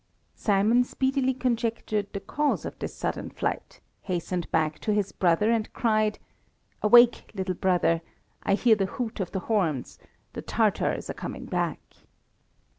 Simon speedily conjectured the cause of this sudden flight, hastened back to his brother and cried "Awake, little brother! I hear the hoot of the horns, the Tatars are coming back."